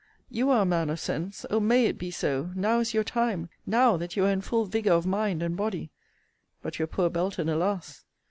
You are a man of sense: O may it be so! Now is your time! Now, that you are in full vigour of mind and body! But your poor Belton, alas!